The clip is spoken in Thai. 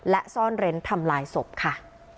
และซ่อนเร้นทำลายศพค่ะ